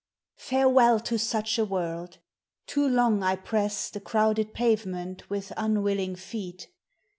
Farewell to such a world ! Too long I press The crowded pavement with unwilling feet.